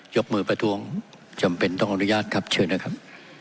ยกมือประท้วงจำเป็นต้องอนุญาตครับเชิญนะครับ